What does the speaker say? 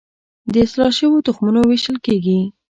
د اصلاح شویو تخمونو ویشل کیږي